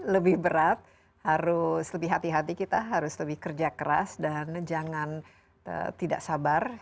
lebih berat harus lebih hati hati kita harus lebih kerja keras dan jangan tidak sabar